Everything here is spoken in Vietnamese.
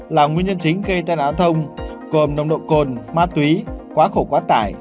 là nguyên nhân chính gây tai nạn giao thông gồm nồng độ cồn ma túy quá khổ quá tải